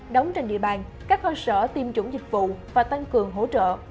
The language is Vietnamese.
đóng trên địa bàn các cơ sở tiêm chủng dịch vụ và tăng cường hỗ trợ